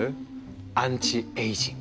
アンチエイジング。